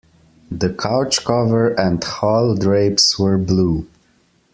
The couch cover and hall drapes were blue.